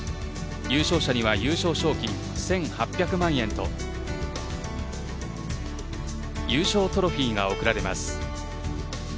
優勝者には優勝賞金１８００万円と優勝トロフィーが贈られます。